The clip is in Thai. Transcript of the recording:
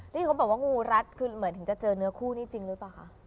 นี่เขาบอกว่างูรัดคือเหมือนถึงจะเจอเนื้อคู่นี้จริงหรือเปล่าคะ